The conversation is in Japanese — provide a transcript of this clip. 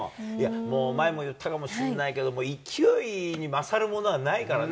もう、前も言ったかもしれないけど、勢いに勝るものはないからね。